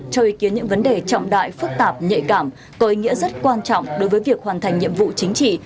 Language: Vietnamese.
cho ý kiến những vấn đề trọng đại phức tạp nhạy cảm có ý nghĩa rất quan trọng đối với việc hoàn thành nhiệm vụ chính trị